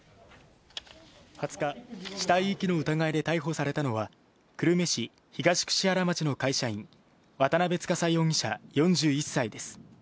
２０日、死体遺棄の疑いで逮捕されたのは、久留米市東櫛原町の会社員、渡辺司容疑者４１歳です。